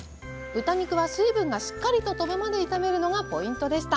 豚肉は水分がしっかりととぶまで炒めるのがポイントでした。